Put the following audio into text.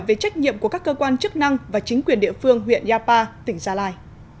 về trách nhiệm của các cơ quan chức năng và chính quyền địa phương huyện yapa tỉnh gia lai